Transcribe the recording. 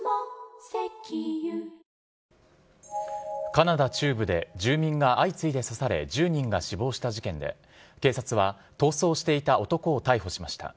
カナダ中部で住民が相次いで刺され１０人が死亡した事件で警察は逃走していた男を逮捕しました。